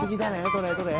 どれ？どれ？」